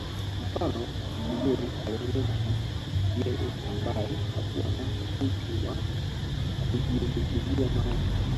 Mfano mzuri alionesha yeye ambae hakuwa na uchu wa kujiliumbikizia mali